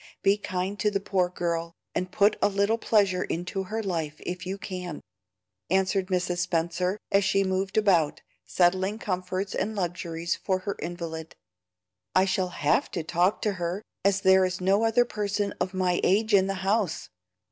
Be kind to the poor girl, and put a little pleasure into her life if you can," answered Mrs. Spenser, as she moved about, settling comforts and luxuries for her invalid. "I shall HAVE to talk to her, as there is no other person of my age in the house.